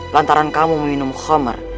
lantaran kamu meminum khomer